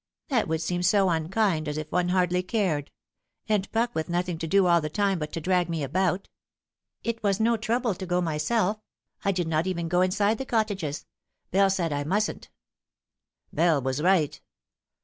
" That would seem so unkind, as if one hardly cared ; and Puck with nothing to do all the time but to drag me about. Without the Wolf. 41 It was no trouble to go myself. I did not even g* inside the cottages. Bell said I mustn't." " Bell was right.